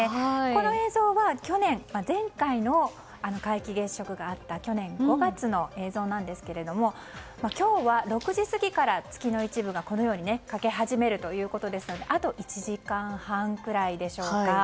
この映像は去年前回の皆既月食があった去年５月の映像ですが今日は、６時過ぎから月の一部が欠け始めるということですのであと１時間半くらいでしょうか。